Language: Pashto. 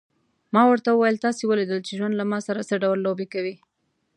ما ورته وویل: تاسي ولیدل چې ژوند له ما سره څه ډول لوبې کوي.